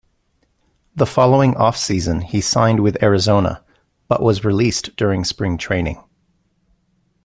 The following off-season, he signed with Arizona, but was released during spring training.